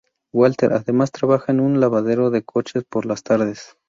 Walter, además, trabaja en un lavadero de coches por las tardes.